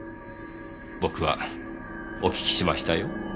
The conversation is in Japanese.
僕はお訊きしましたよ。